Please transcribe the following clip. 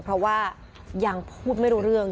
เพราะว่ายังพูดไม่รู้เรื่อง